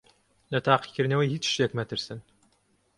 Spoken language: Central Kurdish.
لە تاقیکردنەوەی هیچ شتێک مەترسن.